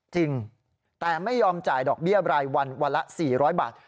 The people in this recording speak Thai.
จริงแต่ไม่ยอมจ่ายดอกเบี้ยบรายวันวันละ๔๐๐บาท